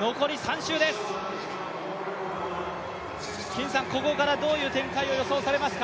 残り３周です、ここからどういう展開を予想されますか？